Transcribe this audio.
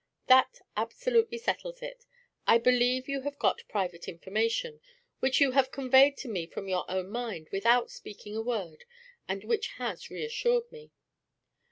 That absolutely settles it; I believe you have got private information, which you have conveyed to me from your own mind without speaking a word, and which has reassured me."